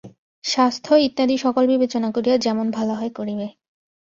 স্বাস্থ্য ইত্যাদি সকল বিবেচনা করিয়া যেমন ভাল হয় করিবে।